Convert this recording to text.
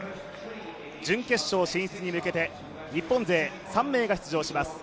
準決勝進出に向けて日本勢３名が出場します。